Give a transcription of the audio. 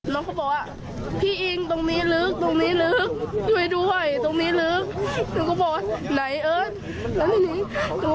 แล้วน้องอีกคนหนึ่งจะขึ้นปรากฏว่าต้องมาจมน้ำเสียชีวิตทั้งคู่